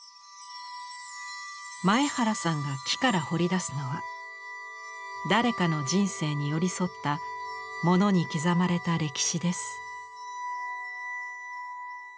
前原さんが木から彫り出すのは誰かの人生に寄り添ったモノに刻まれた歴史です。